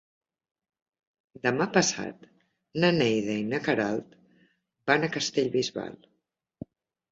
Demà passat na Neida i na Queralt van a Castellbisbal.